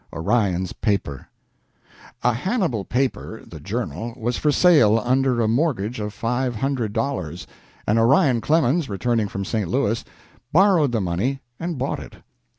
ORION'S PAPER A Hannibal paper, the "Journal," was for sale under a mortgage of five hundred dollars, and Orion Clemens, returning from St. Louis, borrowed the money and bought it.